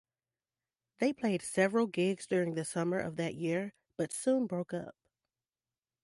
They played several gigs during the summer of that year, but soon broke up.